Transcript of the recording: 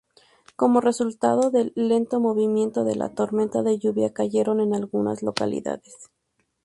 Como resultado del lento movimiento de la tormenta, de lluvia cayeron en algunas localidades.